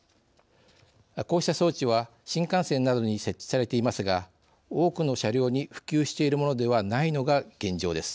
こうした装置は新幹線などに設置されていますが多くの車両に普及しているものではないのが現状です。